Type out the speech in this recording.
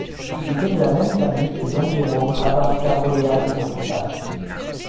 Il était de la même famille que Don Jérôme Abarca-Bolea-y-Portugal.